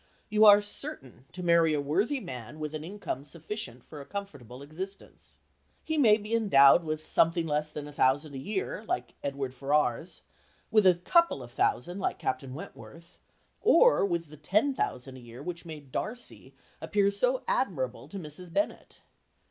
You are certain to marry a worthy man with an income sufficient for a comfortable existence. He may be endowed with something less than a thousand a year, like Edward Ferrars, with a couple of thousand like Captain Wentworth, or with the ten thousand a year which made Darcy appear so admirable to Mrs. Bennet.